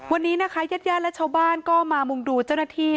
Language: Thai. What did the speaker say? วันนี้ยัดย่านและชาวบ้านก็มามุ่งดูเจ้าหน้าที่